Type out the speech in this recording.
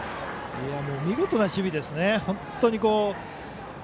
見事な守備ですね。